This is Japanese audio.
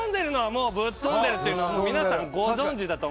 もうブッ飛んでるっていうのは皆さんご存じだと思うんです。